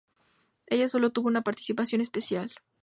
Ella solo tuvo una participación especial.